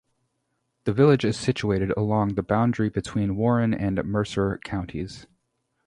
The village is situated along the boundary between Warren and Mercer counties.